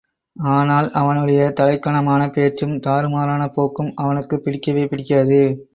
ஆனால் அவனுடைய தலைக்கனமான பேச்சும், தாறுமாறான போக்கும் அவனுக்குப் பிடிக்கவே பிடிக்காது.